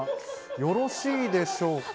よろしいでしょうか？